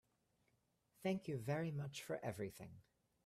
Thank you very much for everything.